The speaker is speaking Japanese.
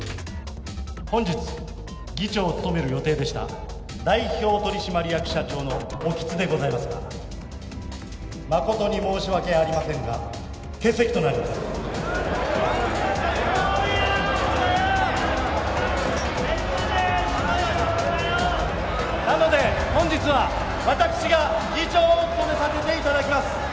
本日議長を務める予定でした代表取締役社長の興津でございますがまことに申し訳ありませんが欠席となりますなので本日は私が議長を務めさせていただきます